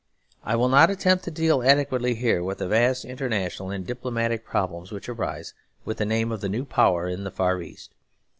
I will not attempt to deal adequately here with the vast international and diplomatic problems which arise with the name of the new power in the Far East.